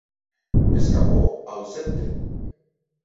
Escapo ausente.